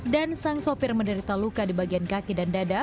dan sang sopir menderita luka di bagian kaki dan dada